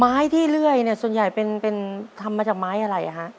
ไม้ที่เลื่อยเนี่ยส่วนใหญ่เป็นทำมาจากไม้อะไรฮะ